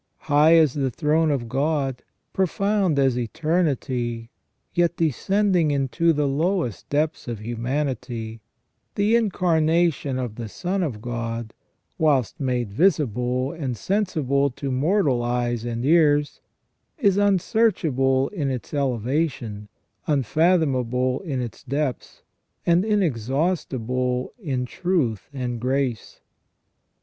High as the throne of God, profound as eternity, yet descending into the lowest depths of humanity, the Incarna tion of the Son of God, whilst made visible and sensible to mortal eyes and ears, is unsearchable in its elevation, unfathomable in its depths, and inexhaustible in truth and grace.